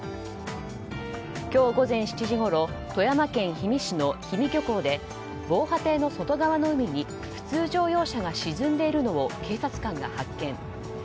今日午前７時ごろ富山県氷見市の氷見漁港で防波堤の外側の海に普通乗用車が沈んでいるのを警察官が発見。